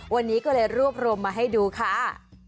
วันนี้ก็เลยรวบรวมมาให้ดูค่ะ